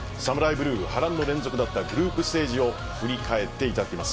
ブルー波乱の連続だったグループステージを振り返っていただきます。